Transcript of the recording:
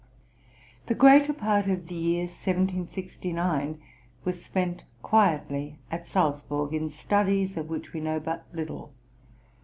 The greater part of the year 1769 was spent quietly at Salzburg in studies of which we know but little.